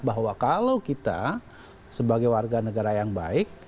bahwa kalau kita sebagai warga negara yang baik